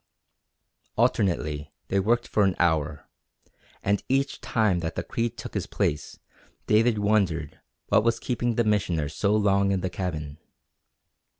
Alternately they worked for an hour, and each time that the Cree took his place David wondered what was keeping the Missioner so long in the cabin.